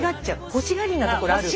欲しがりなところある。